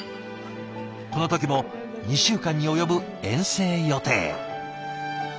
この時も２週間に及ぶ遠征予定。